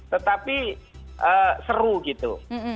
tetapi seru gitu